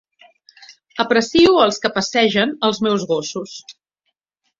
Aprecio els que passegen els meus gossos.